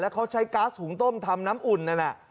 เขาใช้ก๊าซหุงต้มทำน้ำอุ่นนั่นน่ะ